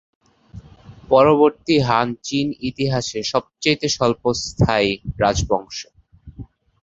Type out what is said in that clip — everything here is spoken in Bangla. পরবর্তী হান চীনের ইতিহাসের সবচেয়ে স্বল্পস্থায়ী রাজবংশ।